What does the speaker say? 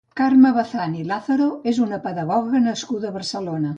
Carme Bazán i Lázaro és una pedagoga nascuda a Barcelona.